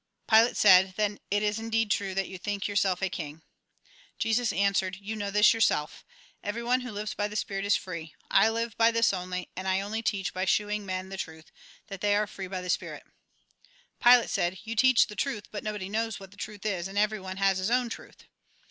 Pilate said :" Then it is indeed true that you think yourself a king ?" Jesus answered :" You know this yourself. Everyone who lives by the spirit is free. I live 220 THE GOSPEL IN BRIEF by this only, and I only teach by shewing men the truth, that they are free by the spirit." Pilate said :" You teach the truth, but nobody knows what truth is, and everyone has his own truth."